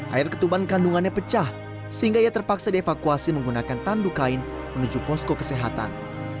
air ketuban kandungannya pecah sehingga ia terpaksa dievakuasi menggunakan tanduk kain menuju posko kesehatan